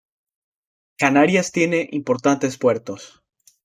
Canarias tiene importantes puertos.